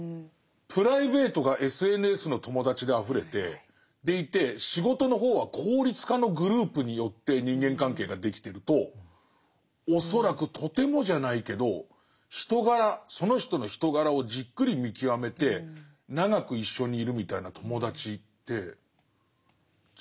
プライベートがＳＮＳの友達であふれてでいて仕事の方は効率化のグループによって人間関係ができてると恐らくとてもじゃないけど人柄その人の人柄をじっくり見極めて長く一緒にいるみたいな友達ってつくれない。